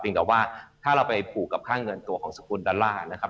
แต่ว่าถ้าเราไปผูกกับค่าเงินตัวของสกุลดอลลาร์นะครับ